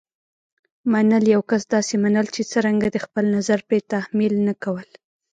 منل: یو کس داسې منل چې څرنګه دی. خپل نظر پرې تحمیل نه کول.